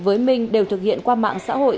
với mình đều thực hiện qua mạng xã hội